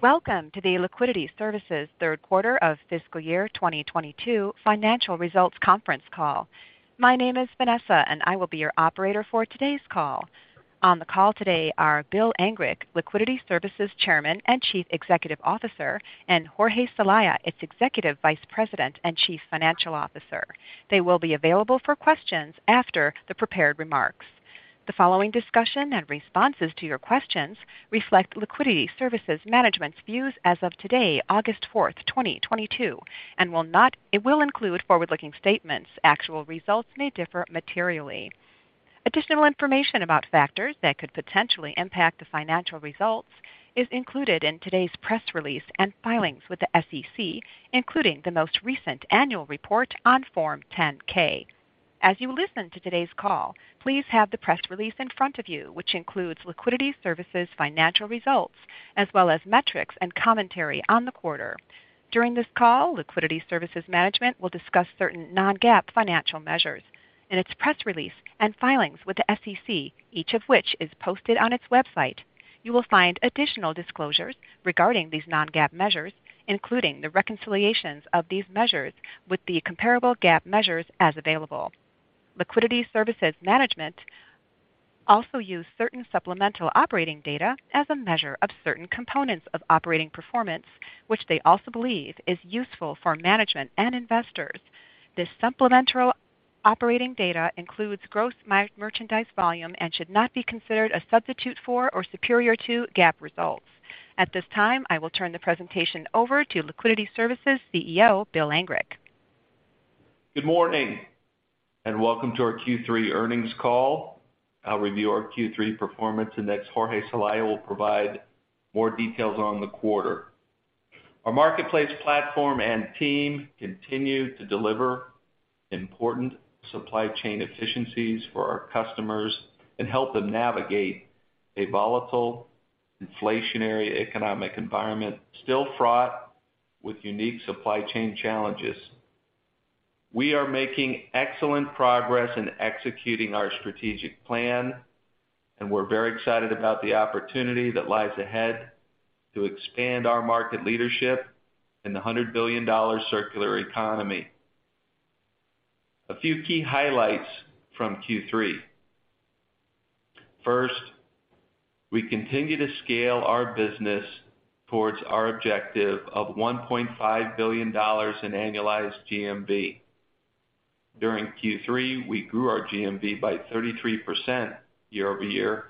Welcome to the Liquidity Services third quarter of fiscal year 2022 financial results conference call. My name is Vanessa, and I will be your operator for today's call. On the call today are Bill Angrick, Chairman and Chief Executive Officer, Liquidity Services, and Jorge Celaya, Executive Vice President and Chief Financial Officer, Liquidity Services. They will be available for questions after the prepared remarks. The following discussion and responses to your questions reflect Liquidity Services management's views as of today, August 4th, 2022, and it will include forward-looking statements. Actual results may differ materially. Additional information about factors that could potentially impact the financial results is included in today's press release and filings with the SEC, including the most recent annual report on Form 10-K. As you listen to today's call, please have the press release in front of you, which includes Liquidity Services financial results, as well as metrics and commentary on the quarter. During this call, Liquidity Services management will discuss certain non-GAAP financial measures. In its press release and filings with the SEC, each of which is posted on its website, you will find additional disclosures regarding these non-GAAP measures, including the reconciliations of these measures with the comparable GAAP measures as available. Liquidity Services management also use certain supplemental operating data as a measure of certain components of operating performance, which they also believe is useful for management and investors. This supplemental operating data includes gross merchandise volume and should not be considered a substitute for or superior to GAAP results. At this time, I will turn the presentation over to Liquidity Services CEO, Bill Angrick. Good morning and welcome to our Q3 earnings call. I'll review our Q3 performance, and next Jorge Celaya will provide more details on the quarter. Our marketplace platform and team continued to deliver important supply chain efficiencies for our customers and help them navigate a volatile inflationary economic environment still fraught with unique supply chain challenges. We are making excellent progress in executing our strategic plan, and we're very excited about the opportunity that lies ahead to expand our market leadership in the 100 billion dollar circular economy. A few key highlights from Q3. First, we continue to scale our business towards our objective of $1.5 billion in annualized GMV. During Q3, we grew our GMV by 33% year-over-year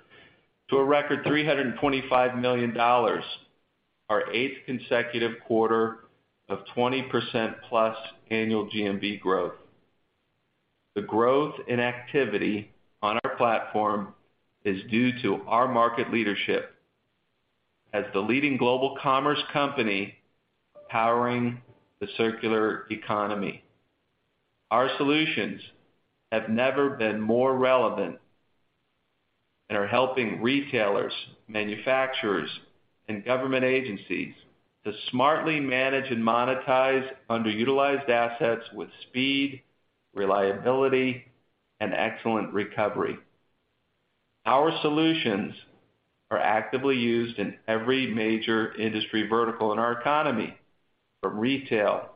to a record $325 million, our eighth consecutive quarter of 20%+ annual GMV growth. The growth in activity on our platform is due to our market leadership as the leading global commerce company powering the circular economy. Our solutions have never been more relevant and are helping retailers, manufacturers, and government agencies to smartly manage and monetize underutilized assets with speed, reliability, and excellent recovery. Our solutions are actively used in every major industry vertical in our economy from retail,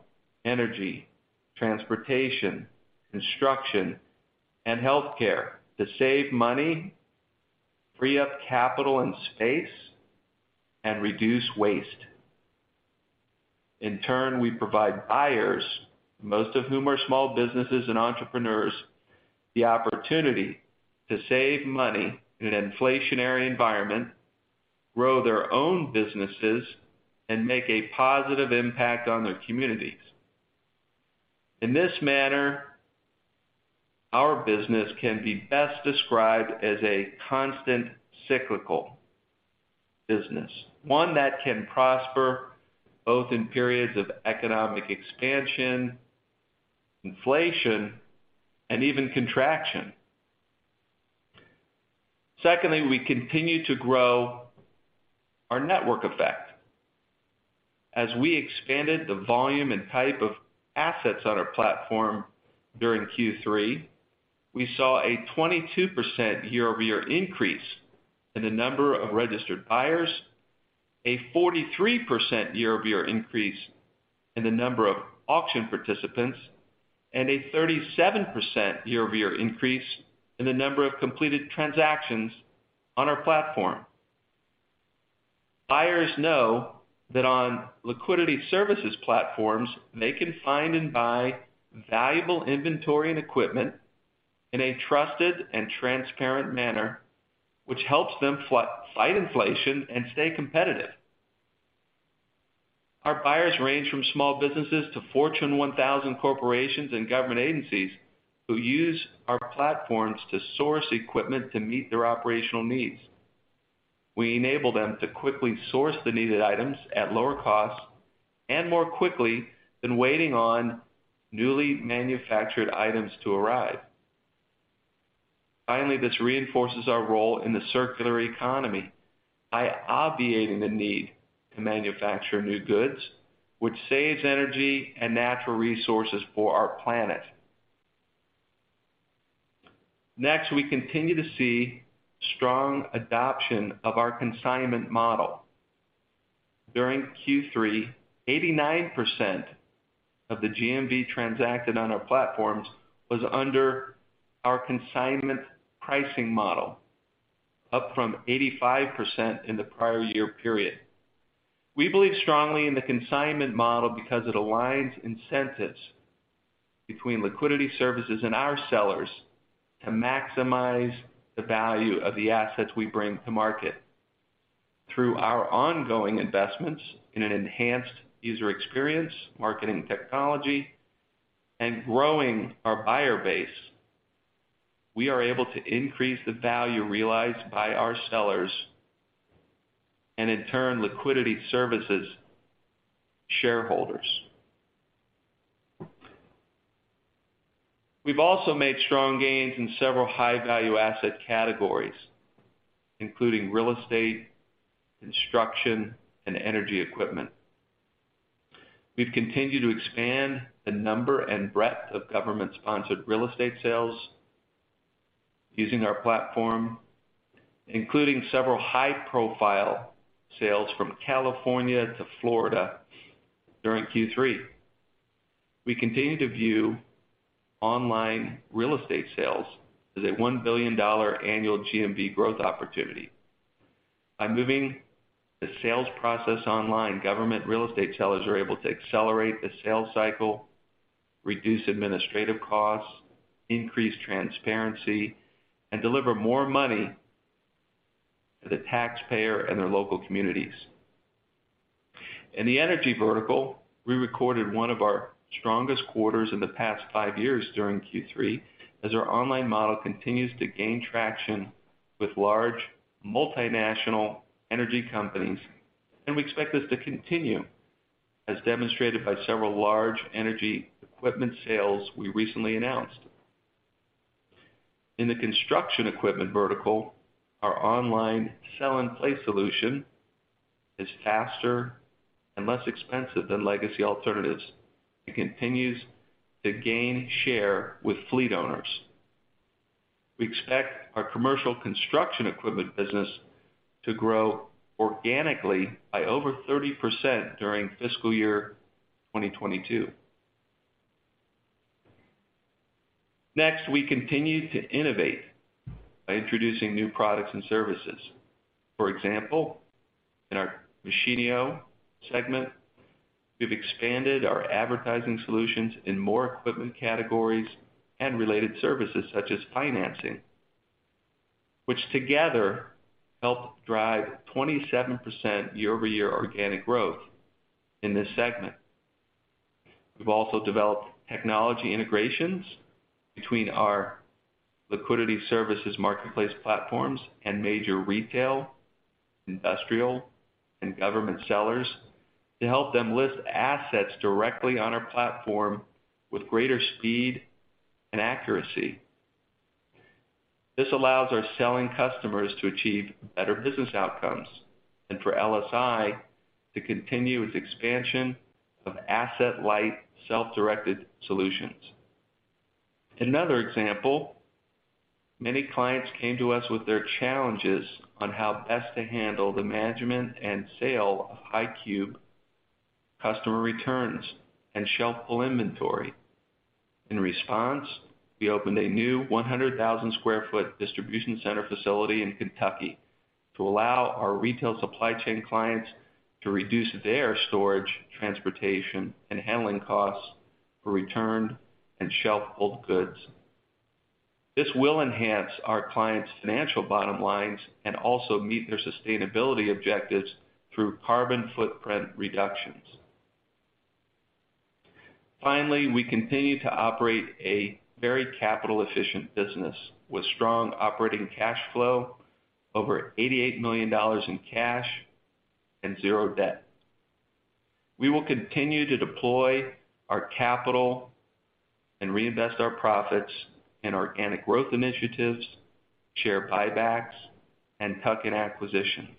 energy, transportation, construction, and healthcare to save money, free up capital and space, and reduce waste. In turn, we provide buyers, most of whom are small businesses and entrepreneurs, the opportunity to save money in an inflationary environment, grow their own businesses, and make a positive impact on their communities. In this manner, our business can be best described as a constant cyclical business, one that can prosper both in periods of economic expansion, inflation, and even contraction. Secondly, we continue to grow our network effect. As we expanded the volume and type of assets on our platform during Q3, we saw a 22% year-over-year increase in the number of registered buyers, a 43% year-over-year increase in the number of auction participants, and a 37% year-over-year increase in the number of completed transactions on our platform. Buyers know that on Liquidity Services platforms, they can find and buy valuable inventory and equipment in a trusted and transparent manner, which helps them fight inflation and stay competitive. Our buyers range from small businesses to Fortune 1000 corporations and government agencies who use our platforms to source equipment to meet their operational needs. We enable them to quickly source the needed items at lower costs and more quickly than waiting on newly manufactured items to arrive. Finally, this reinforces our role in the circular economy by obviating the need to manufacture new goods, which saves energy and natural resources for our planet. Next, we continue to see strong adoption of our consignment model. During Q3, 89% of the GMV transacted on our platforms was under our consignment pricing model, up from 85% in the prior year period. We believe strongly in the consignment model because it aligns incentives between Liquidity Services and our sellers to maximize the value of the assets we bring to market. Through our ongoing investments in an enhanced user experience, marketing technology, and growing our buyer base, we are able to increase the value realized by our sellers, and in turn, Liquidity Services shareholders. We've also made strong gains in several high-value asset categories, including real estate, construction, and energy equipment. We've continued to expand the number and breadth of government-sponsored real estate sales using our platform, including several high-profile sales from California to Florida during Q3. We continue to view online real estate sales as a $1 billion annual GMV growth opportunity. By moving the sales process online, government real estate sellers are able to accelerate the sales cycle, reduce administrative costs, increase transparency, and deliver more money to the taxpayer and their local communities. In the energy vertical, we recorded one of our strongest quarters in the past five years during Q3 as our online model continues to gain traction with large multinational energy companies, and we expect this to continue, as demonstrated by several large energy equipment sales we recently announced. In the construction equipment vertical, our online Sell-In-Place solution is faster and less expensive than legacy alternatives. It continues to gain share with fleet owners. We expect our commercial construction equipment business to grow organically by over 30% during fiscal year 2022. Next, we continue to innovate by introducing new products and services. For example, in our Machinio segment, we've expanded our advertising solutions in more equipment categories and related services such as financing, which together helped drive 27% year-over-year organic growth in this segment. We've also developed technology integrations between our Liquidity Services marketplace platforms and major retail, industrial, and government sellers to help them list assets directly on our platform with greater speed and accuracy. This allows our selling customers to achieve better business outcomes and for LSI to continue its expansion of asset-light, self-directed solutions. Another example, many clients came to us with their challenges on how best to handle the management and sale of high cube customer returns and shelf-pull inventory. In response, we opened a new 100,000 sq ft distribution center facility in Kentucky to allow our retail supply chain clients to reduce their storage, transportation, and handling costs for returned and shelf-pull goods. This will enhance our clients' financial bottom lines and also meet their sustainability objectives through carbon footprint reductions. Finally, we continue to operate a very capital-efficient business with strong operating cash flow, over $88 million in cash, and zero debt. We will continue to deploy our capital and reinvest our profits in organic growth initiatives, share buybacks, and tuck-in acquisitions.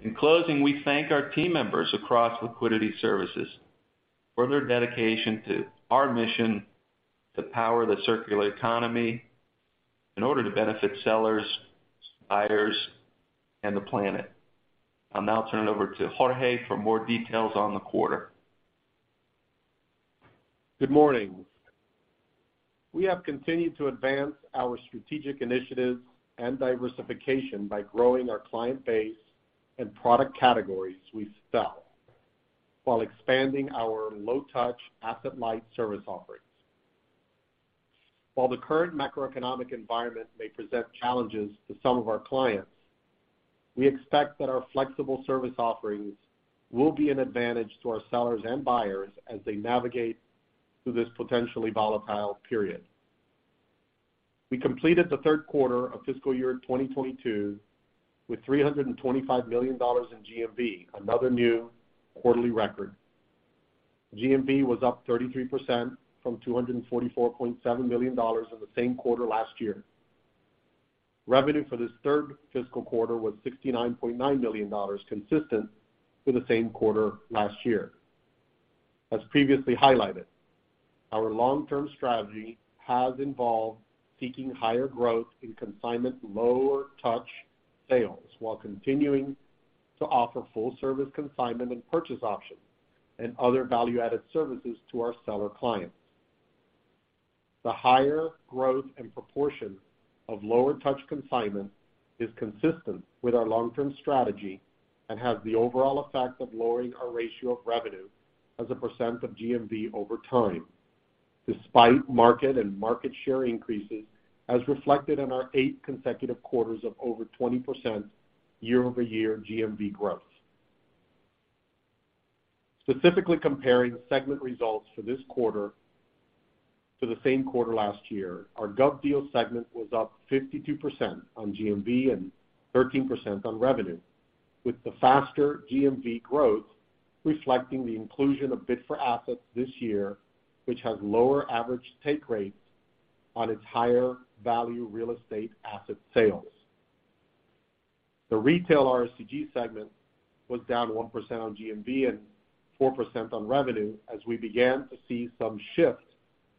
In closing, we thank our team members across Liquidity Services for their dedication to our mission to power the circular economy in order to benefit sellers, buyers, and the planet. I'll now turn it over to Jorge for more details on the quarter. Good morning. We have continued to advance our strategic initiatives and diversification by growing our client base and product categories we sell while expanding our low-touch, asset-light service offerings. While the current macroeconomic environment may present challenges to some of our clients, we expect that our flexible service offerings will be an advantage to our sellers and buyers as they navigate through this potentially volatile period. We completed the third quarter of fiscal year 2022 with $325 million in GMV, another new quarterly record. GMV was up 33% from $244.7 million in the same quarter last year. Revenue for this third fiscal quarter was $69.9 million, consistent with the same quarter last year. As previously highlighted, our long-term strategy has involved seeking higher growth in consignment lower touch sales, while continuing to offer full service consignment and purchase options and other value-added services to our seller clients. The higher growth and proportion of lower touch consignment is consistent with our long-term strategy and has the overall effect of lowering our ratio of revenue as a percent of GMV over time, despite market and market share increases as reflected in our eight consecutive quarters of over 20% year-over-year GMV growth. Specifically comparing segment results for this quarter to the same quarter last year, our GovDeals segment was up 52% on GMV and 13% on revenue, with the faster GMV growth reflecting the inclusion of Bid4Assets this year, which has lower average take rates on its higher value real estate asset sales. The retail RSCG segment was down 1% on GMV and 4% on revenue as we began to see some shift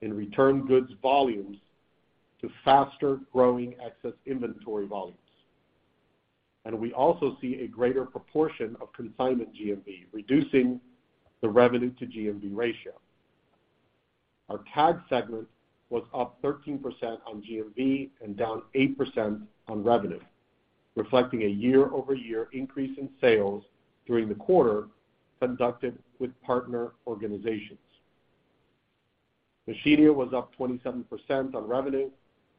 in return goods volumes to faster-growing excess inventory volumes. We also see a greater proportion of consignment GMV, reducing the revenue to GMV ratio. Our CAG segment was up 13% on GMV and down 8% on revenue, reflecting a year-over-year increase in sales during the quarter conducted with partner organizations. Machinio was up 27% on revenue,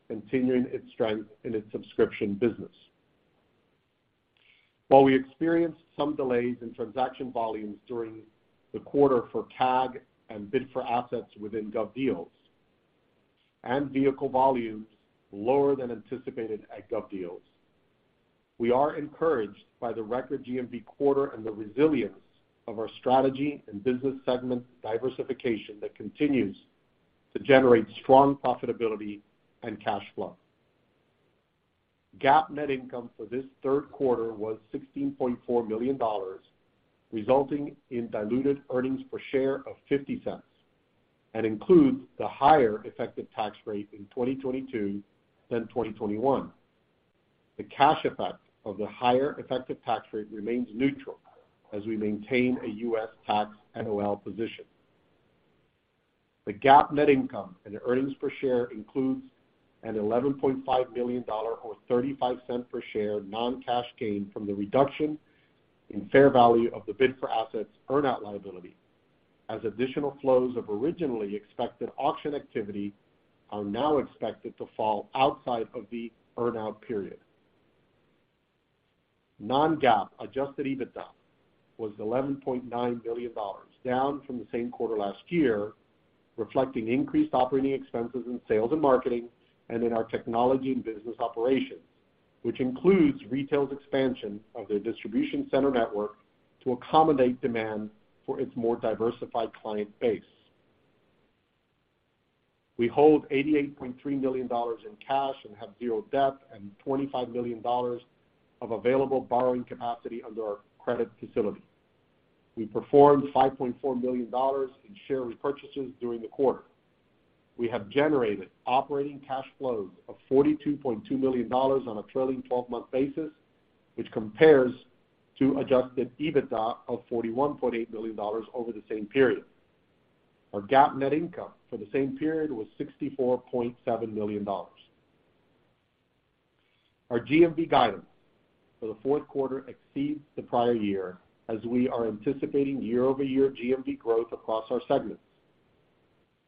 continuing its strength in its subscription business. While we experienced some delays in transaction volumes during the quarter for CAG and Bid4Assets within GovDeals and vehicle volumes lower than anticipated at GovDeals, we are encouraged by the record GMV quarter and the resilience of our strategy and business segment diversification that continues to generate strong profitability and cash flow. GAAP net income for this third quarter was $16.4 million, resulting in diluted earnings per share of $0.50, and includes the higher effective tax rate in 2022 than 2021. The cash effect of the higher effective tax rate remains neutral as we maintain a U.S. tax NOL position. The GAAP net income and earnings per share includes an $11.5 million or $0.35 per share non-cash gain from the reduction in fair value of the Bid4Assets earn out liability, as additional flows of originally expected auction activity are now expected to fall outside of the earn-out period. Non-GAAP adjusted EBITDA was $11.9 million, down from the same quarter last year, reflecting increased operating expenses in sales and marketing and in our technology and business operations, which includes retail's expansion of their distribution center network to accommodate demand for its more diversified client base. We hold $88.3 million in cash and have zero debt and $25 million of available borrowing capacity under our credit facility. We performed $5.4 million in share repurchases during the quarter. We have generated operating cash flows of $42.2 million on a trailing twelve-month basis, which compares to adjusted EBITDA of $41.8 million over the same period. Our GAAP net income for the same period was $64.7 million. Our GMV guidance for the fourth quarter exceeds the prior year as we are anticipating year-over-year GMV growth across our segments.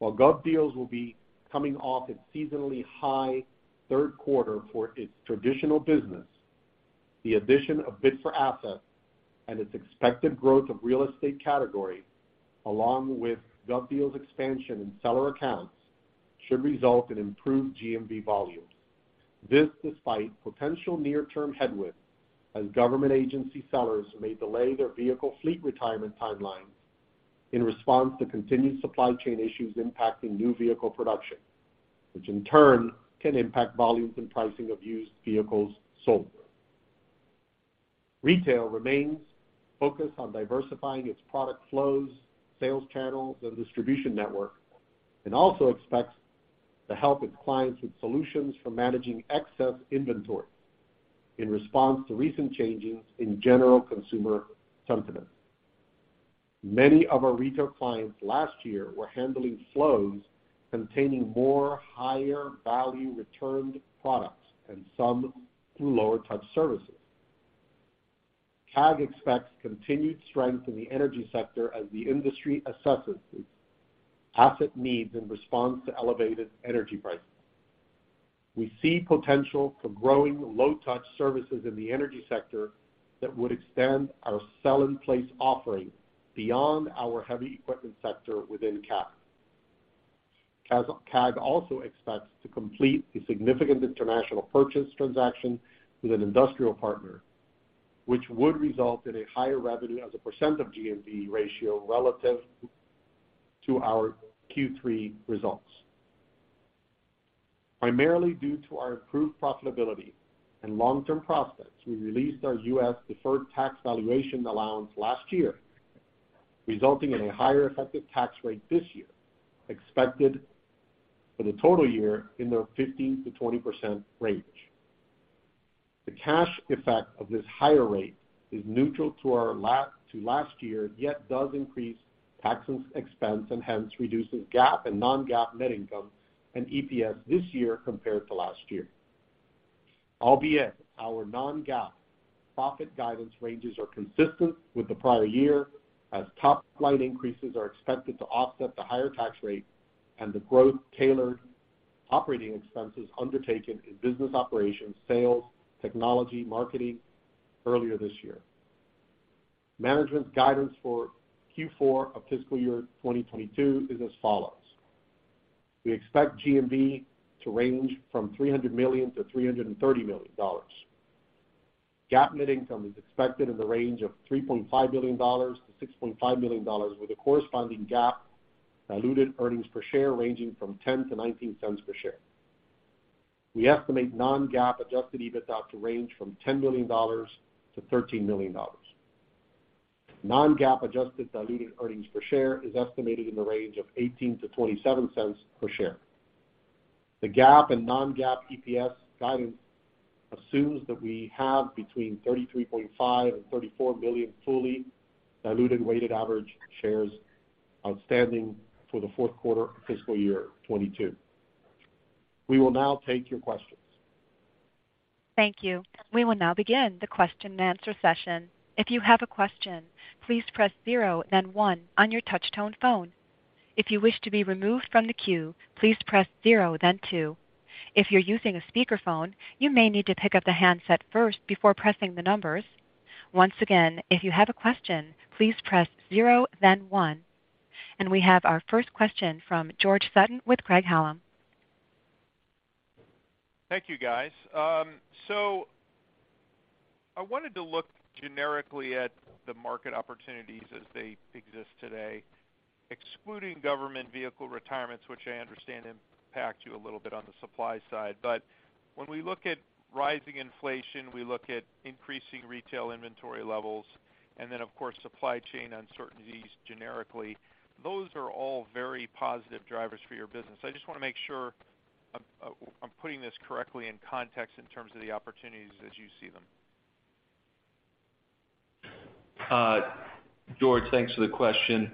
While GovDeals will be coming off its seasonally high third quarter for its traditional business, the addition of Bid4Assets and its expected growth of real estate category, along with GovDeals expansion in seller accounts, should result in improved GMV volumes. This despite potential near-term headwind as government agency sellers may delay their vehicle fleet retirement timelines in response to continued supply chain issues impacting new vehicle production, which in turn can impact volumes and pricing of used vehicles sold. Retail remains focused on diversifying its product flows, sales channels, and distribution network, and also expects to help its clients with solutions for managing excess inventory in response to recent changes in general consumer sentiment. Many of our retail clients last year were handling flows containing more higher value returned products and some through lower touch services. CAG expects continued strength in the energy sector as the industry assesses its asset needs in response to elevated energy prices. We see potential for growing low touch services in the energy sector that would extend our Sell-In-Place offering beyond our heavy equipment sector within CAG. CAG also expects to complete a significant international purchase transaction with an industrial partner, which would result in a higher revenue as a percent of GMV ratio relative to To our Q3 results. Primarily due to our improved profitability and long-term prospects, we released our U.S. deferred tax valuation allowance last year, resulting in a higher effective tax rate this year, expected for the total year in the 15%-20% range. The cash effect of this higher rate is neutral to our last year, yet does increase tax expense, and hence reduces GAAP and non-GAAP net income and EPS this year compared to last year. Albeit our non-GAAP profit guidance ranges are consistent with the prior year as top line increases are expected to offset the higher tax rate and the growth tailored operating expenses undertaken in business operations, sales, technology, marketing earlier this year. Management's guidance for Q4 of fiscal year 2022 is as follows. We expect GMV to range from $300 million-$330 million. GAAP net income is expected in the range of $3.5 million-$6.5 million, with corresponding GAAP diluted earnings per share ranging from $0.10-$0.19 cents per share. We estimate non-GAAP adjusted EBITDA to range from $10 million-$13 million. Non-GAAP adjusted diluted earnings per share is estimated in the range of $0.18-$0.27 cents per share. The GAAP and non-GAAP EPS guidance assumes that we have between $33.5-$34 billion fully diluted weighted average shares outstanding for the fourth quarter of fiscal year 2022. We will now take your questions. Thank you. We will now begin the question-and-answer session. If you have a question, please press zero, then one on your touch tone phone. If you wish to be removed from the queue, please press zero, then two. If you're using a speakerphone, you may need to pick up the handset first before pressing the numbers. Once again, if you have a question, please press zero then one. We have our first question from George Sutton with Craig-Hallum. Thank you, guys. I wanted to look generically at the market opportunities as they exist today, excluding government vehicle retirements, which I understand impact you a little bit on the supply side. When we look at rising inflation, we look at increasing retail inventory levels, and then of course, supply chain uncertainties generically, those are all very positive drivers for your business. I just want to make sure I'm putting this correctly in context in terms of the opportunities as you see them. Jorge, thanks for the question.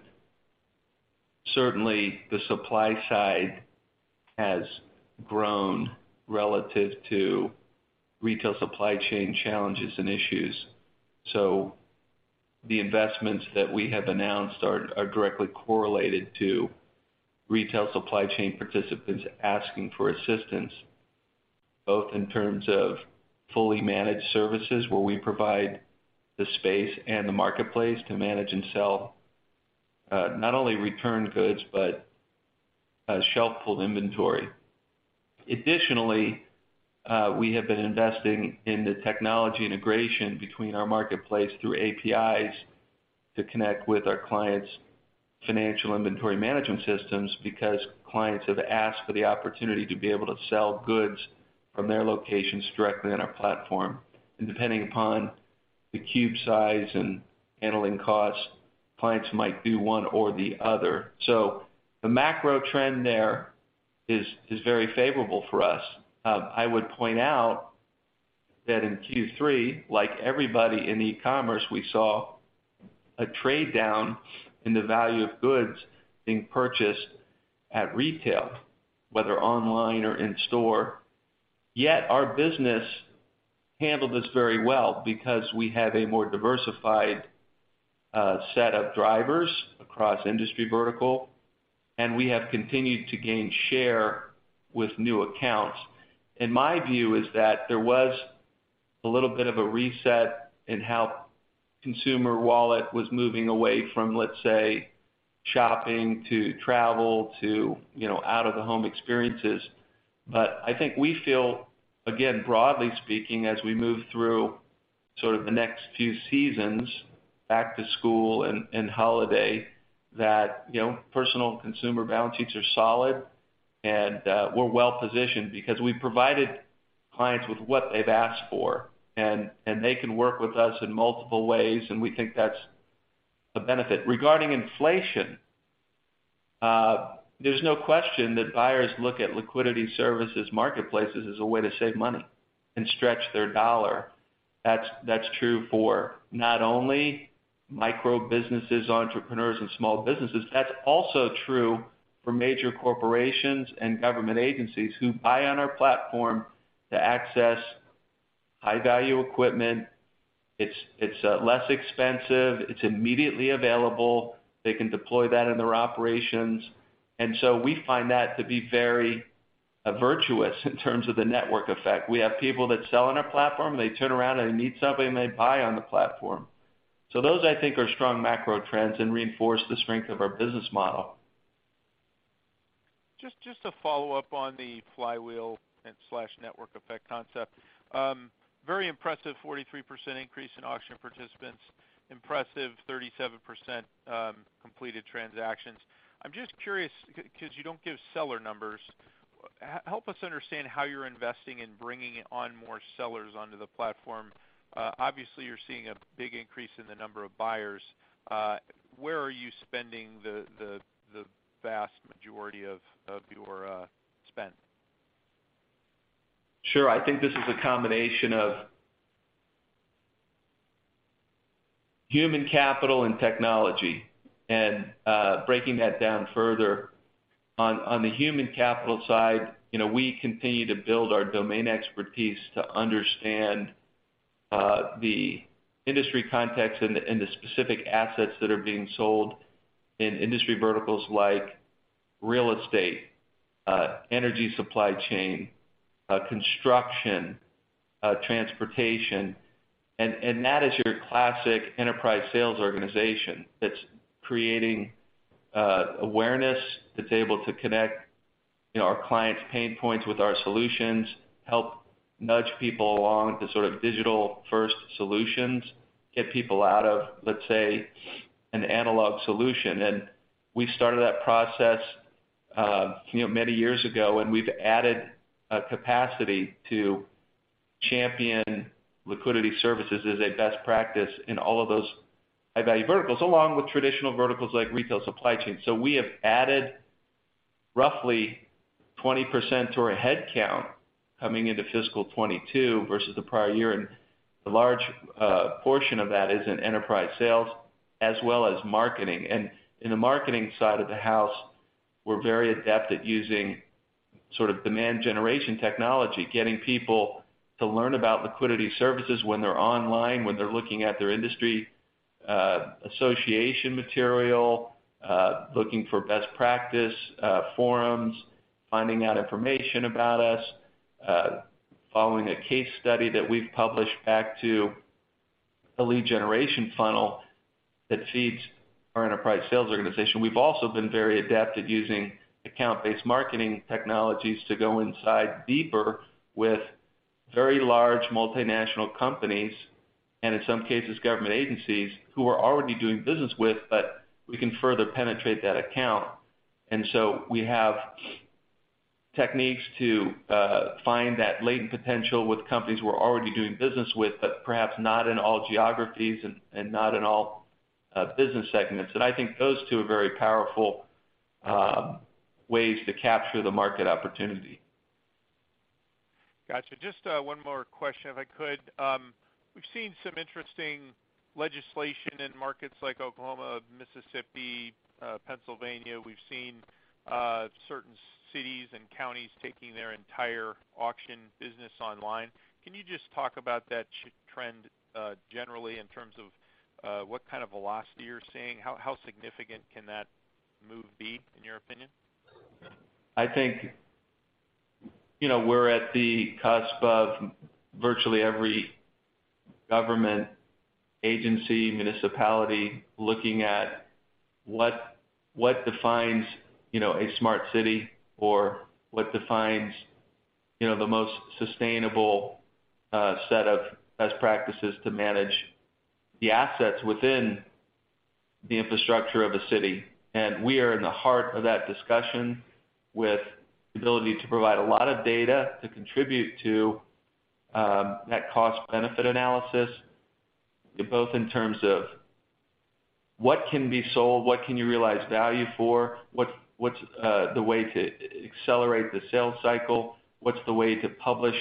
Certainly, the supply side has grown relative to retail supply chain challenges and issues. The investments that we have announced are directly correlated to retail supply chain participants asking for assistance, both in terms of fully managed services, where we provide the space and the marketplace to manage and sell, not only returned goods but, shelf-pull inventory. Additionally, we have been investing in the technology integration between our marketplace through APIs to connect with our clients' financial inventory management systems because clients have asked for the opportunity to be able to sell goods from their locations directly on our platform. Depending upon the cube size and handling costs, clients might do one or the other. The macro trend there is very favorable for us. I would point out that in Q3, like everybody in e-commerce, we saw a trade down in the value of goods being purchased at retail, whether online or in store. Yet our business handled this very well because we have a more diversified, set of drivers across industry vertical, and we have continued to gain share with new accounts. My view is that there was a little bit of a reset in how consumer wallet was moving away from, let's say, shopping to travel to, you know, out of the home experiences. I think we feel, again, broadly speaking, as we move through sort of the next few seasons, back to school and holiday, that, you know, personal consumer balances are solid and we're well-positioned because we provided clients with what they've asked for, and they can work with us in multiple ways, and we think that's a benefit. Regarding inflation, there's no question that buyers look at Liquidity Services marketplaces as a way to save money and stretch their dollar. That's true for not only micro-businesses, entrepreneurs and small businesses, that's also true for major corporations and government agencies who buy on our platform to access high value equipment. It's less expensive, it's immediately available. They can deploy that in their operations. We find that to be very virtuous in terms of the network effect. We have people that sell on our platform, they turn around and they need something, they buy on the platform. Those I think are strong macro trends and reinforce the strength of our business model. Just to follow up on the flywheel and slash network effect concept. Very impressive 43% increase in auction participants. Impressive 37% completed transactions. I'm just curious, because you don't give seller numbers. Help us understand how you're investing in bringing on more sellers onto the platform. Obviously, you're seeing a big increase in the number of buyers. Where are you spending the vast majority of your spend? Sure. I think this is a combination of human capital and technology. Breaking that down further, on the human capital side, you know, we continue to build our domain expertise to understand the industry context and the specific assets that are being sold in industry verticals like real estate, energy supply chain, construction, transportation. That is your classic enterprise sales organization that's creating awareness, that's able to connect, you know, our clients' pain points with our solutions, help nudge people along to sort of digital-first solutions, get people out of, let's say, an analog solution. We started that process, you know, many years ago, and we've added a capacity to champion Liquidity Services as a best practice in all of those high-value verticals, along with traditional verticals like retail supply chain. We have added roughly 20% to our head count coming into fiscal 2022 versus the prior year, and a large portion of that is in enterprise sales as well as marketing. In the marketing side of the house, we're very adept at using sort of demand generation technology, getting people to learn about Liquidity Services when they're online, when they're looking at their industry association material, looking for best practice forums, finding out information about us, following a case study that we've published back to a lead generation funnel that feeds our enterprise sales organization. We've also been very adept at using account-based marketing technologies to go inside deeper with very large multinational companies, and in some cases, government agencies who we're already doing business with, but we can further penetrate that account. We have techniques to find that latent potential with companies we're already doing business with, but perhaps not in all geographies and not in all business segments. I think those two are very powerful ways to capture the market opportunity. Gotcha. Just one more question, if I could. We've seen some interesting legislation in markets like Oklahoma, Mississippi, Pennsylvania. We've seen certain cities and counties taking their entire auction business online. Can you just talk about that trend, generally in terms of what kind of velocity you're seeing? How significant can that move be, in your opinion? I think, you know, we're at the cusp of virtually every government agency, municipality looking at what defines, you know, a smart city or what defines, you know, the most sustainable set of best practices to manage the assets within the infrastructure of a city. We are in the heart of that discussion with the ability to provide a lot of data to contribute to net cost benefit analysis, both in terms of what can be sold, what can you realize value for, what's the way to accelerate the sales cycle, what's the way to publish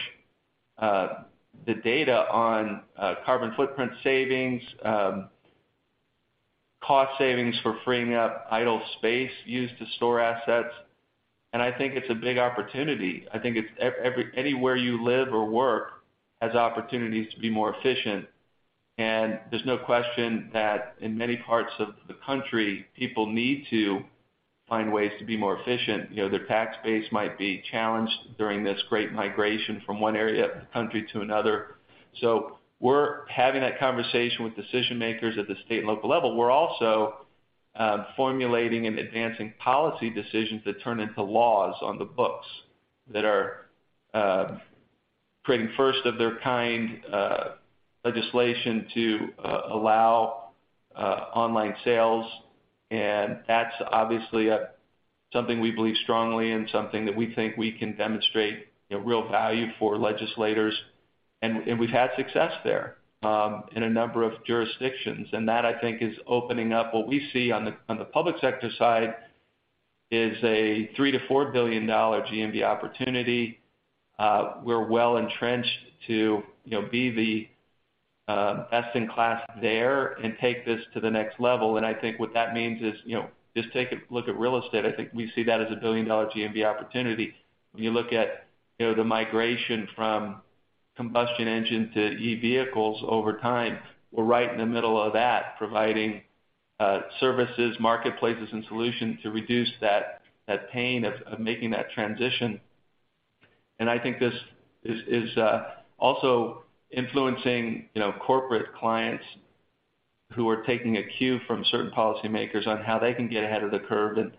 the data on carbon footprint savings, cost savings for freeing up idle space used to store assets. I think it's a big opportunity. I think it's anywhere you live or work has opportunities to be more efficient. There's no question that in many parts of the country, people need to find ways to be more efficient. You know, their tax base might be challenged during this great migration from one area of the country to another. We're having that conversation with decision-makers at the state and local level. We're also formulating and advancing policy decisions that turn into laws on the books that are creating first of their kind legislation to allow online sales. That's obviously something we believe strongly in, something that we think we can demonstrate, you know, real value for legislators. We've had success there in a number of jurisdictions. That, I think, is opening up what we see on the public sector side is a $3 billion-$4 billion GMV opportunity. We're well-entrenched to, you know, be the best in class there and take this to the next level. I think what that means is, you know, just take a look at real estate. I think we see that as a billion-dollar GMV opportunity. When you look at, you know, the migration from combustion engine to e-vehicles over time, we're right in the middle of that, providing services, marketplaces, and solutions to reduce that pain of making that transition. I think this is also influencing, you know, corporate clients who are taking a cue from certain policymakers on how they can get ahead of the curve in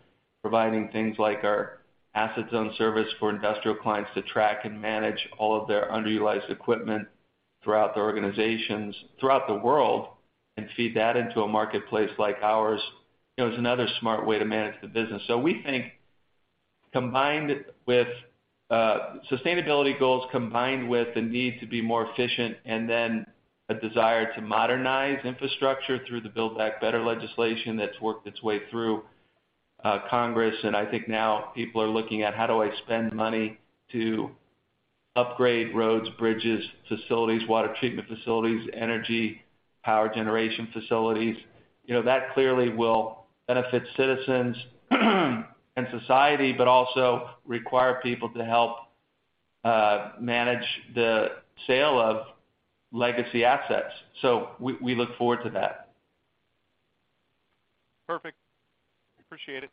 providing things like our AssetZone service for industrial clients to track and manage all of their underutilized equipment throughout their organizations throughout the world and feed that into a marketplace like ours, you know, is another smart way to manage the business. We think combined with sustainability goals, combined with the need to be more efficient and then a desire to modernize infrastructure through the Build Back Better legislation that's worked its way through Congress. I think now people are looking at how do I spend money to upgrade roads, bridges, facilities, water treatment facilities, energy, power generation facilities. You know, that clearly will benefit citizens and society but also require people to help manage the sale of legacy assets. We look forward to that. Perfect. Appreciate it.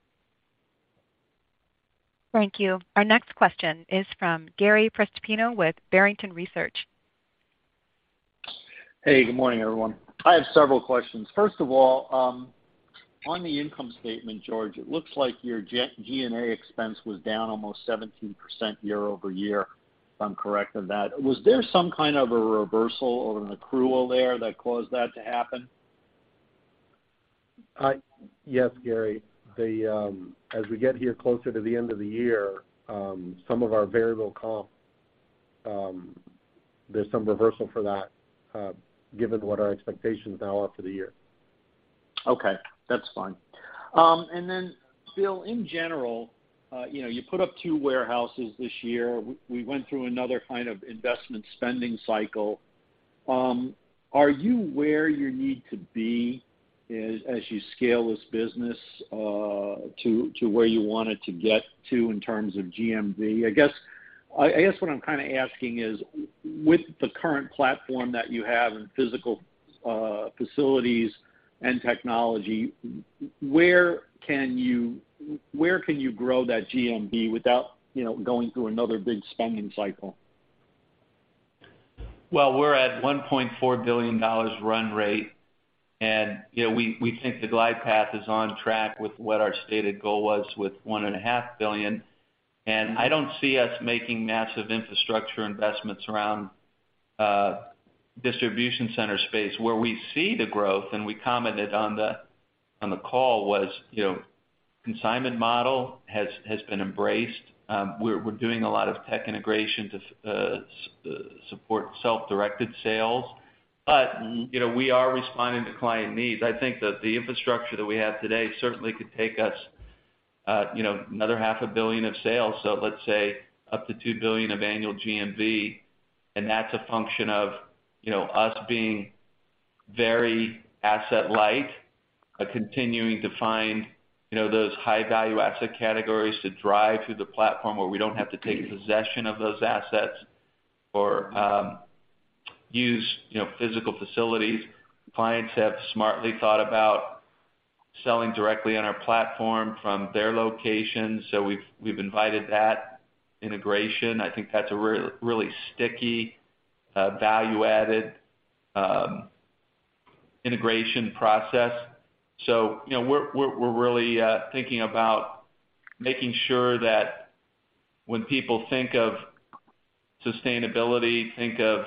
Thank you. Our next question is from Gary Prestopino with Barrington Research. Hey, good morning, everyone. I have several questions. First of all, on the income statement, Jorge, it looks like your G&A expense was down almost 17% year-over-year, if I'm correct on that. Was there some kind of a reversal or an accrual there that caused that to happen? Yes, Gary. As we get here closer to the end of the year, some of our variable comp, there's some reversal for that, given what our expectations now are for the year. Okay, that's fine. Bill, in general, you know, you put up two warehouses this year. We went through another kind of investment spending cycle. Are you where you need to be as you scale this business to where you want it to get to in terms of GMV? I guess what I'm kind of asking is, with the current platform that you have and physical facilities and technology, where can you grow that GMV without, you know, going through another big spending cycle? Well, we're at $1.4 billion run rate. You know, we think the glide path is on track with what our stated goal was with $1.5 billion. I don't see us making massive infrastructure investments around distribution center space. Where we see the growth, and we commented on the call, was, you know, consignment model has been embraced. We're doing a lot of tech integration to support self-directed sales. You know, we are responding to client needs. I think that the infrastructure that we have today certainly could take us, you know, another half a billion of sales. Let's say up to $2 billion of annual GMV, and that's a function of, you know, us being very asset light, continuing to find, you know, those high-value asset categories to drive through the platform where we don't have to take possession of those assets or, use, you know, physical facilities. Clients have smartly thought about selling directly on our platform from their location. We've invited that integration. I think that's a really sticky, value-added, integration process. You know, we're really thinking about making sure that when people think of sustainability, think of,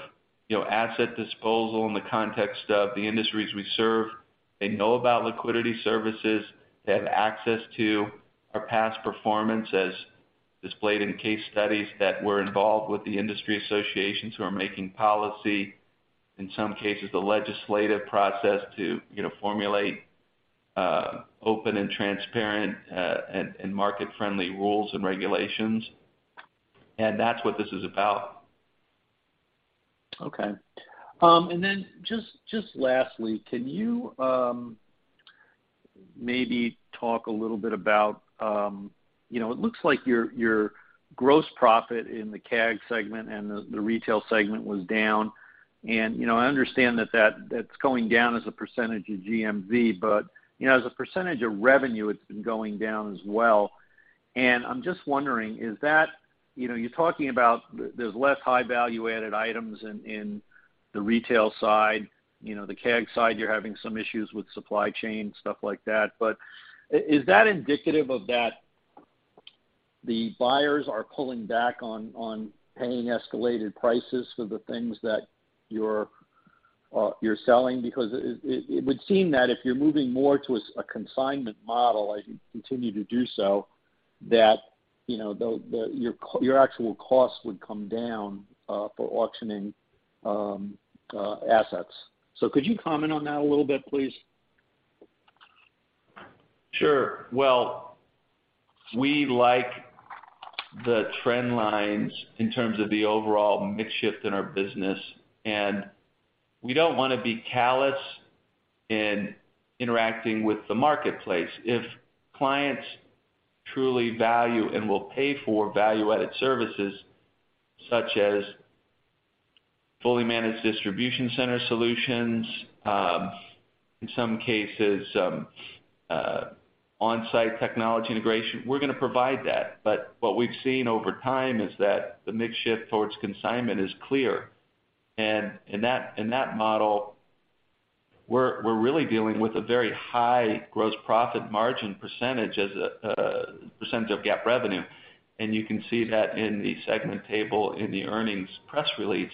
you know, asset disposal in the context of the industries we serve, they know about Liquidity Services. They have access to our past performance as displayed in case studies that were involved with the industry associations who are making policy, in some cases the legislative process to, you know, formulate, open and transparent, and market-friendly rules and regulations. That's what this is about. Okay. Just lastly, can you maybe talk a little bit about, you know, it looks like your gross profit in the CAG segment and the retail segment was down. You know, I understand that's going down as a percentage of GMV, but, you know, as a percentage of revenue, it's been going down as well. I'm just wondering, is that you know you're talking about there's less high value-added items in the retail side. You know, the CAG side, you're having some issues with supply chain, stuff like that. Is that indicative of the buyers are pulling back on paying escalated prices for the things that you're selling? Because it would seem that if you're moving more to a consignment model, as you continue to do so, that, you know, the your actual cost would come down for auctioning assets. Could you comment on that a little bit, please? Sure. Well, we like the trend lines in terms of the overall mix shift in our business, and we don't wanna be callous in interacting with the marketplace. If clients truly value and will pay for value-added services such as fully managed distribution center solutions, in some cases, on-site technology integration, we're gonna provide that. What we've seen over time is that the mix shift towards consignment is clear. In that model, we're really dealing with a very high gross profit margin percentage as a percentage of GAAP revenue. You can see that in the segment table in the earnings press release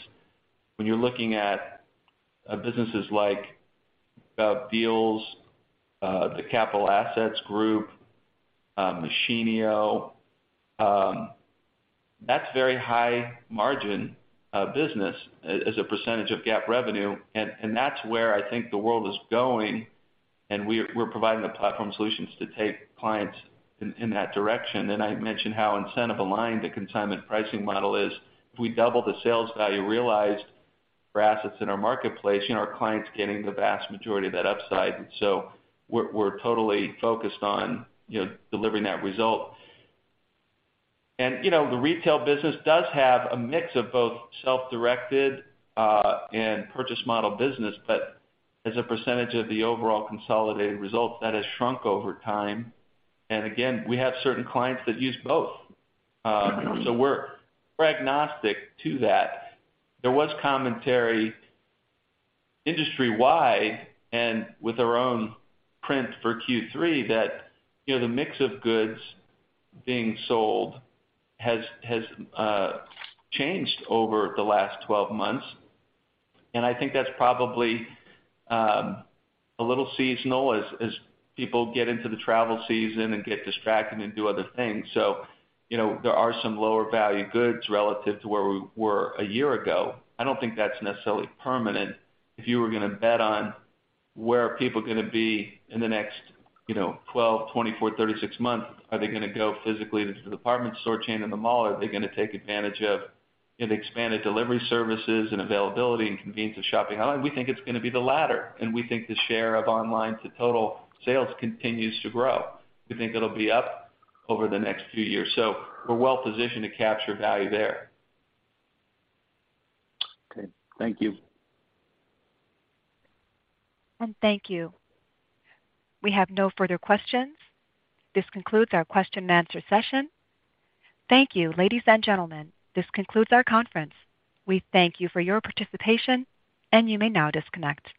when you're looking at businesses like GovDeals, the Capital Assets Group, Machinio, that's very high margin business as a percentage of GAAP revenue. That's where I think the world is going, and we're providing the platform solutions to take clients in that direction. I mentioned how incentive aligned the consignment pricing model is. If we double the sales value realized for assets in our marketplace, you know, our clients getting the vast majority of that upside. We're totally focused on, you know, delivering that result. You know, the retail business does have a mix of both self-directed and purchase model business, but as a percentage of the overall consolidated result, that has shrunk over time. Again, we have certain clients that use both. We're agnostic to that. There was commentary industry-wide and with our own print for Q3 that, you know, the mix of goods being sold has changed over the last 12 months. I think that's probably a little seasonal as people get into the travel season and get distracted and do other things. You know, there are some lower value goods relative to where we were a year ago. I don't think that's necessarily permanent. If you were gonna bet on where are people gonna be in the next, you know, 12, 24, 36 months, are they gonna go physically to the department store chain in the mall or are they gonna take advantage of expanded delivery services and availability and convenience of shopping online? We think it's gonna be the latter, and we think the share of online to total sales continues to grow. We think it'll be up over the next few years. We're well positioned to capture value there. Okay, thank you. Thank you. We have no further questions. This concludes our question and answer session. Thank you, ladies and gentlemen. This concludes our conference. We thank you for your participation, and you may now disconnect.